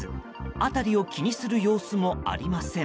辺りを気にする様子もありません。